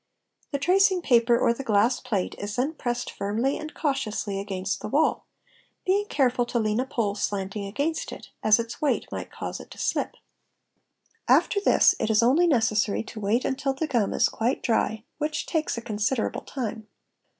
The tracing paper or the glass plate is then pressed firmly and cautiously — DETACHING OF BLOOD 571: _ against the wall, being careful to lean a pole slanting against it, as its weight might cause it to slip. After this, it is only necessary to wait until the gum is quite dry, which takes a considerable time.